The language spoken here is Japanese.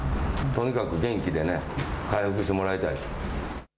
とにかく元気でね、回復してもらいたい。